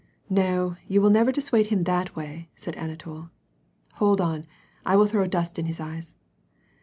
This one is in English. " No, you will never dissuade him that way," said Anatol. "Hold on; I will throw dust in his eyes.